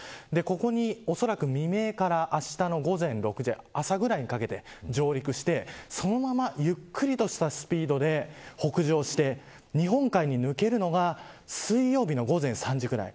ここに、おそらく未明からあしたの午前６時朝ぐらいにかけて上陸してそのままゆっくりとしたスピードで北上して日本海に抜けるのが水曜日の午前３時ぐらい。